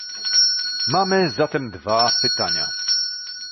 Mamy zatem dwa pytania